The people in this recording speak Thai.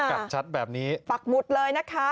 กัดชัดแบบนี้ปักหมุดเลยนะคะ